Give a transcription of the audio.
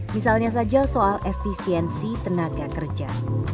misalnya saja soal efisiensi tenaga kerja